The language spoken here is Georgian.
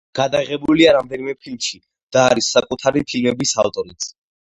გადაღებულია რამდენიმე ფილმში და არის საკუთარი ფილმების ავტორიც.